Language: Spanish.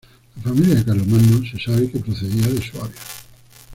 La familia de Carlomagno se sabe que procedía de Suabia.